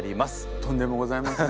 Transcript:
とんでもございません。